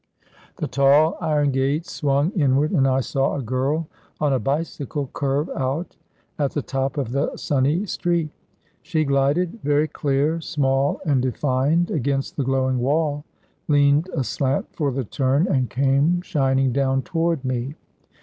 The tall iron gates swung inward, and I saw a girl on a bicycle curve out, at the top of the sunny street. She glided, very clear, small, and defined, against the glowing wall, leaned aslant for the turn, and came shining down toward me.